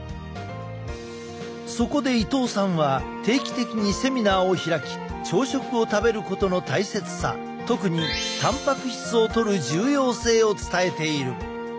そこで伊藤さんは定期的にセミナーを開き朝食を食べることの大切さ特にたんぱく質をとる重要性を伝えている。